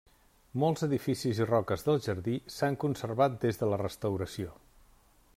Molts edificis i roques del jardí s'han conservat des de la restauració.